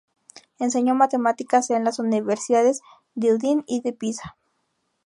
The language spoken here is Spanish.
Enseñó matemáticas en las universidades de Udine y de Pisa.